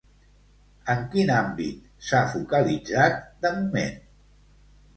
En quin àmbit s'ha focalitzat de moment?